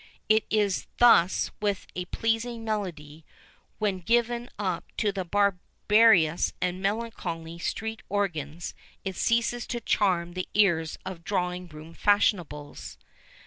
It is thus with a pleasing melody when given up to the barbarous and melancholy street organs it ceases to charm the ears of drawing room fashionables.